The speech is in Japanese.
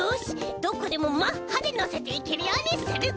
どこでもマッハでのせていけるようにするぞ！